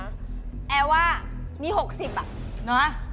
แอนะจ๊ะมี๖๐บาท